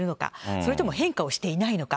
それとも変化をしていないのか。